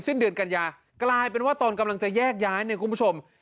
สิ้นเดือนกันยากลายเป็นว่าตอนกำลังจะแยกย้ายเนี่ยคุณผู้ชม